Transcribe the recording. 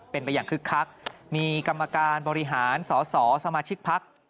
เป็นไปอย่างคึกคักมีกรรมการบริหารสสสมาชิกพัก